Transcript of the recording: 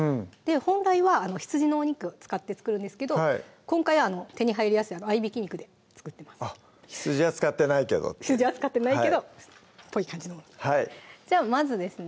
本来は羊のお肉を使って作るんですけど今回は手に入りやすい合いびき肉で作ってます羊は使ってないけど羊は使ってないけどぽい感じのものじゃあまずですね